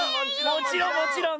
もちろんもちろん。